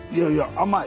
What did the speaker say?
甘い。